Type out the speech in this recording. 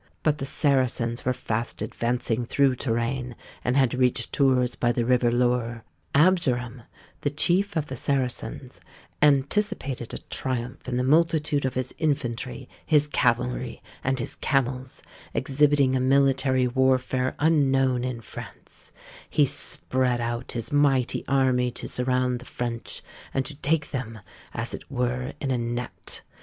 But the Saracens were fast advancing through Touraine, and had reached Tours by the river Loire: Abderam, the chief of the Saracens, anticipated a triumph in the multitude of his infantry, his cavalry, and his camels, exhibiting a military warfare unknown in France; he spread out his mighty army to surround the French, and to take them, as it were in a net.